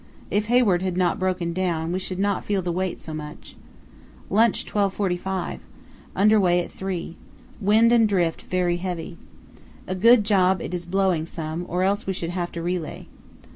If Hayward had not broken down we should not feel the weight so much. Lunch 12.45. Under way at 3. Wind and drift very heavy. A good job it is blowing some, or else we should have to relay.